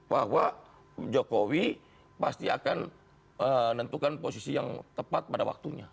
bahwa jokowi pasti akan menentukan posisi yang tepat pada waktunya